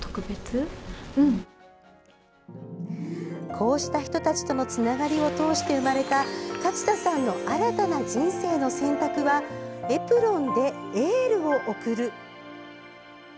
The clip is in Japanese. こうした人たちとのつながりを通して生まれた勝田さんの新たな「人生の選択」はエプロンでエールを送る。